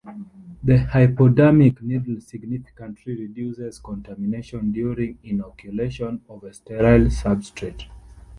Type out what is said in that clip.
The hypodermic needle significantly reduces contamination during inoculation of a sterile substrate.